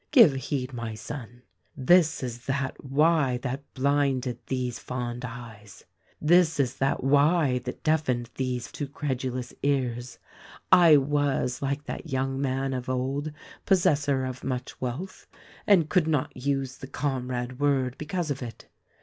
"Give heed, my son ! This is that why that blinded these fond eyes ; this is that why that deafened these too credulous ears ; I was, like that young man of old, possessor of much wealth — and could not use the Comrade word because of it.